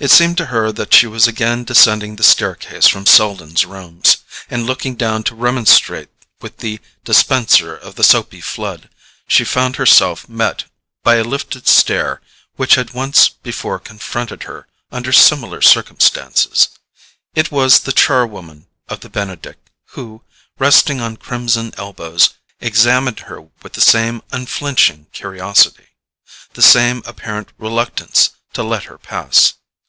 It seemed to her that she was again descending the staircase from Selden's rooms; and looking down to remonstrate with the dispenser of the soapy flood, she found herself met by a lifted stare which had once before confronted her under similar circumstances. It was the char woman of the Benedick who, resting on crimson elbows, examined her with the same unflinching curiosity, the same apparent reluctance to let her pass.